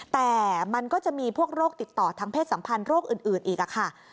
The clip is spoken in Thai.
แต่มันก็จะมีพวกโรคติดต่อทางเพศสัมพันธ์โรคอื่นอีกค่ะ